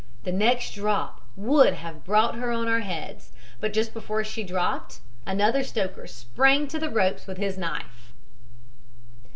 The next drop would have brought her on our heads, but just before she dropped another stoker sprang to the ropes, with his knife.